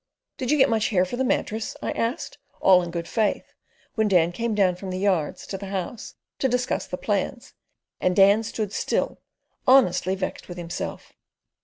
"Did you get much hair for the mattress?" I asked, all in good faith, when Dan came down from the yards to the house to discuss the plans, and Dan stood still, honestly vexed with himself.